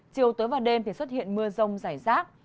chiều tới vào đêm thì xuất hiện mưa rông giải rác